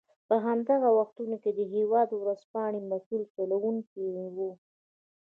په همدغو وختونو کې د هېواد ورځپاڼې مسوول چلوونکی و.